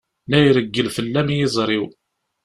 La irewwel fell-am yiẓri-w.